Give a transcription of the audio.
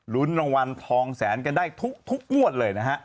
รางวัลทองแสนกันได้ทุกงวดเลยนะฮะ